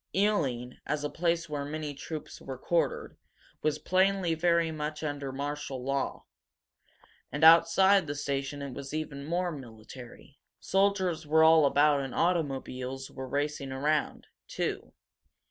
Ealing, as a place where many troops were quartered, was plainly very much under martial law. And outside the station it was even more military. Soldiers were all about and automobiles were racing around, too.